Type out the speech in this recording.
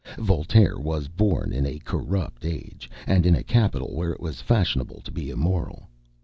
Voltaire was born in a corrupt age, and in a capital where it was fashionable to be immoral.